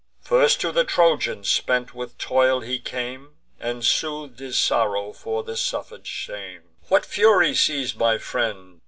First to the Trojan, spent with toil, he came, And sooth'd his sorrow for the suffer'd shame. "What fury seiz'd my friend?